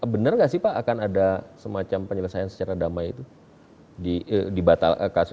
benar nggak sih pak akan ada semacam penyelesaian secara damai itu